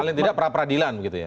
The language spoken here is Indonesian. paling tidak pra peradilan